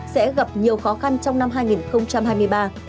sẽ gặp nhiều khó khăn trong năm hai nghìn hai mươi ba